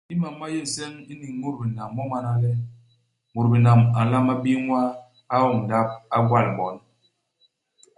Imam ma yé nseñ i niñ i mut binam mo mana le, mut binam a nlama bii ñwaa, a oñ ndap, a gwal bon.